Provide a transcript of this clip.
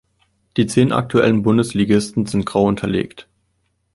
Die zehn aktuellen Bundesligisten sind grau unterlegt.